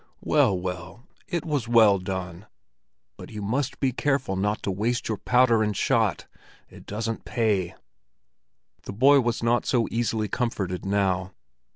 Well, well, it was well done; but you must be careful not to waste your powder and shot. It doesn't pay!" The boy was not so easily comforted now.